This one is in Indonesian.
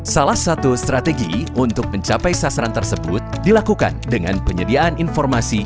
salah satu strategi untuk mencapai sasaran tersebut dilakukan dengan penyediaan informasi